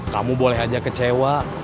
kamu boleh aja kecewa